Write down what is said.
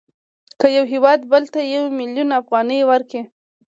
که یو هېواد بل ته یو میلیون افغانۍ ورکړي